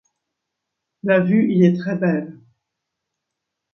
La vue y est très belle.